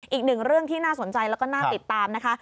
อีกหนึ่งเรื่องที่น่าสนใจแล้วก็น่าติดตามนะคะ